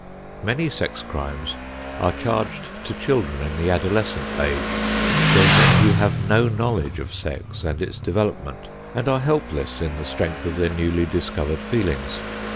Many sex crimes are charged to children in the adolescent age; children who have no knowledge of sex and its development and are helpless in the strength of their newly discovered feelings.